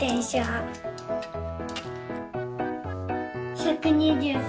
１２３。